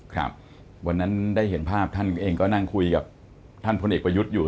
ครับวันนั้นได้เห็นภาพท่านเองก็นั่งคุยกับท่านพลเอกประยุทธ์อยู่